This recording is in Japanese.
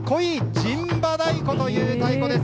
陣馬太鼓という太鼓です。